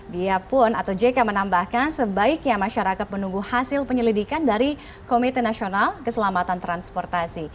dia pun atau jk menambahkan sebaiknya masyarakat menunggu hasil penyelidikan dari komite nasional keselamatan transportasi